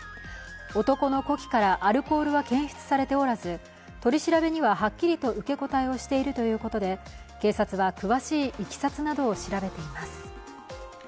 男の呼気からアルコールは検出されておらず取り調べには、はっきりと受け答えをしているということで、警察は詳しいいきさつなどを調べています。